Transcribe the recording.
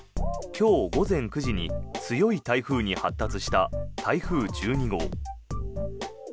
今日午前９時に強い台風に発達した台風１２号。